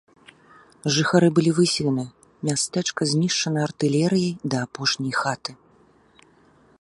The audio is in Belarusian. Жыхары былі выселены, мястэчка знішчана артылерыяй да апошняй хаты.